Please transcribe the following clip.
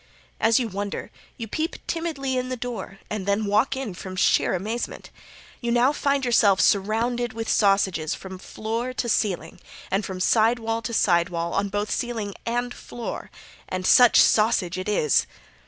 As you wonder you peep timidly in the door and then walk in from sheer amazement. You now find yourself surrounded with sausages, from floor to ceiling, and from side wall to side wall on both ceiling and floor, and such sausage it is!